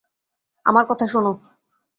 আমার কথা শোন।